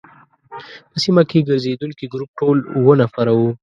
په سیمه کې ګرزېدونکي ګروپ ټول اووه نفره وو.